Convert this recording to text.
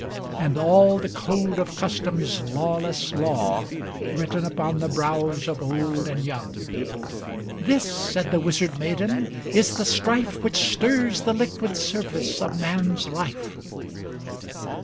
And all the code of custom's lawless law THE WITCH OF ATLAS 281 Written upon the brows of old and young; *This,* said the Wizard Maiden, * is the strife Which stirs the liquid surface of man's life.'